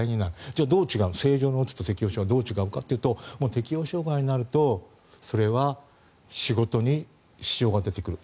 じゃあ、正常のうつと適応障害どう違うのかというと適応障害になるとそれは仕事に支障が出てくる。